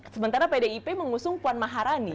sementara pdip mengusung puan maharani